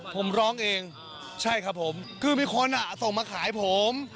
ผมร้องเองใช่ครับผมคือมีคนอ่ะส่งมาขายผม